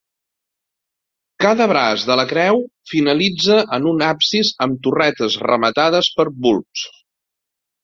Cada braç de la creu finalitza en un absis, amb torretes rematades per bulbs.